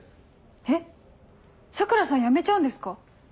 えっ桜さん辞めちゃうんですか？